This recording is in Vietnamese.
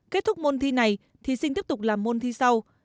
kết thúc môn thi này thì xin tiếp tục làm môn thi sau